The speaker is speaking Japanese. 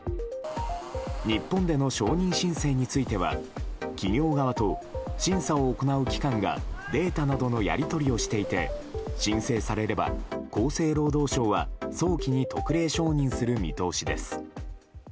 日本での承認申請については企業側と審査を行う機関がデータなどのやり取りをしていて新生されれば厚生労働省は早期に特例承認する見通しです。